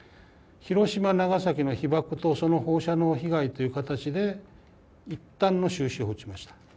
広島・長崎の被爆とその放射能被害という形でいったんの終止符を打ちました。